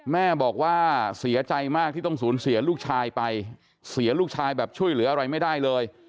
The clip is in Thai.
แม่บอกว่าเสียใจมากที่ต้องสูญเสียลูกชายไปเสียลูกชายแบบช่วยเหลืออะไรไม่ได้เลย